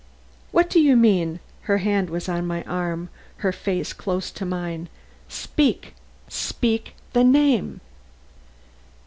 "What do you mean?" Her hand was on my arm, her face close to mine. "Speak! speak! the name!"